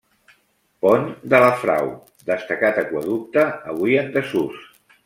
Pont de la Frau, destacat aqüeducte, avui en desús.